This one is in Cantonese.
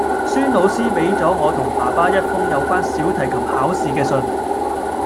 孫老師畀咗我同爸爸一封有關小提琴考試嘅信